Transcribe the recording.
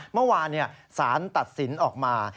เมื่อวานสารตัดสินออกมา